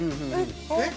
えっ？